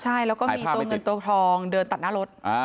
ใช่แล้วก็มีตัวเงินตัวทองเดินตัดหน้ารถ